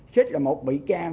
xích là một bị can